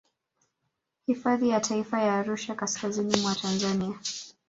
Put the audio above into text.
Hifadhi ya taifa ya Arusha kaskazini mwa Tanzania